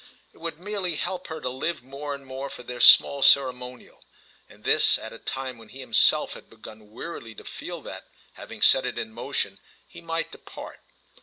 It would merely help her to live more and more for their small ceremonial, and this at a time when he himself had begun wearily to feel that, having set it in motion, he might depart.